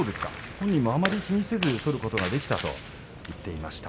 本人もあまり気にせずに取ることができたと言っていました。